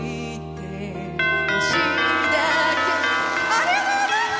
ありがとうございます！